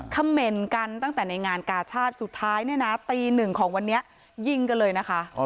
เขม่นกันตั้งแต่ในงานกาชาติสุดท้ายเนี่ยนะตีหนึ่งของวันนี้ยิงกันเลยนะคะ